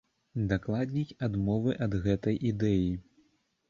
Дакладней, адмовы ад гэтай ідэі.